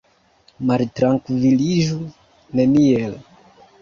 Maltrankviliĝu neniel.